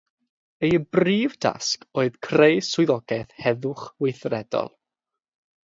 Ei brif dasg oedd creu swyddogaeth heddwch weithredol.